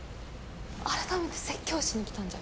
改めて説教しに来たんじゃ。